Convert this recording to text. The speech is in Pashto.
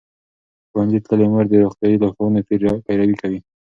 ښوونځې تللې مور د روغتیايي لارښوونو پیروي کوي.